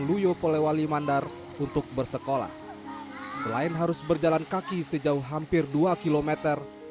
luyo polewali mandar untuk bersekolah selain harus berjalan kaki sejauh hampir dua kilometer